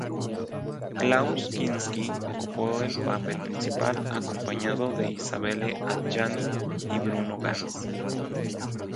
Klaus Kinski ocupó el papel principal, acompañado de Isabelle Adjani y Bruno Ganz.